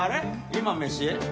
今、飯？